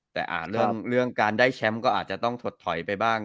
แต่เรื่องการได้แชมป์ก็อาจจะต้องถดถอยไปบ้าง